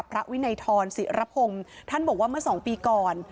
พระวินัยทรศิรพงศ์ท่านบอกว่าเมื่อสองปีก่อน